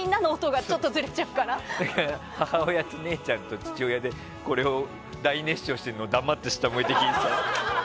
母親と姉ちゃんと父親でこれを大熱唱してるのを黙って下を向いて聴いてた。